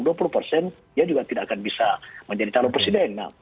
dia juga tidak akan bisa menjadi calon presiden